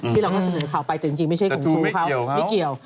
ที่เราก็เสนอข่าวไปแต่จริงไม่ใช่ของครูเขาไม่เกี่ยว